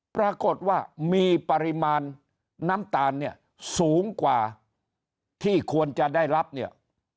ปรากฏว่ามีปริมาณน้ำตาลเนี่ยสูงกว่าที่ควรจะได้รับเนี่ย